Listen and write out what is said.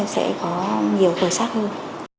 sẽ có nhiều khởi sắc hơn